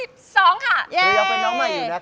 ยังเป็นน้องใหม่อยู่ครับ